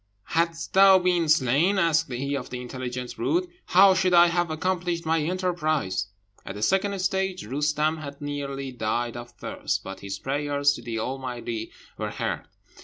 "Hadst thou been slain," asked he of the intelligent brute, "how should I have accomplished my enterprise?" At the second stage Roostem had nearly died of thirst, but his prayers to the Almighty were heard.